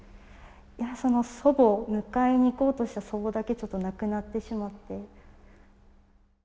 いやその祖母迎えに行こうとした祖母だけちょっと亡くなってしまって。